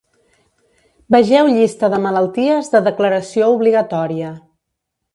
Vegeu llista de malalties de declaració obligatòria.